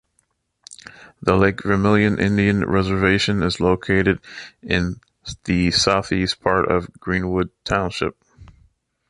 The Lake Vermilion Indian Reservation is located in the southeast part of Greenwood Township.